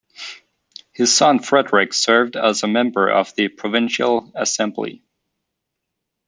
His son Frederick served as a member of the provincial assembly.